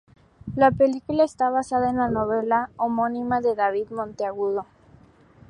La película está basada en la novela homónima de David Monteagudo.